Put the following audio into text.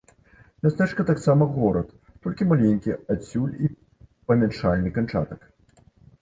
Мястэчка таксама горад, толькі маленькі, адсюль і памяншальны канчатак.